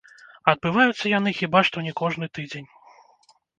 Адбываюцца яны хіба што не кожны тыдзень.